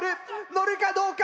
のるかどうか！